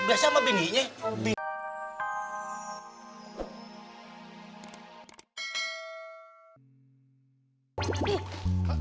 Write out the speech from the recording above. eh pak rt